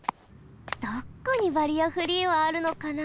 どこにバリアフリーはあるのかな？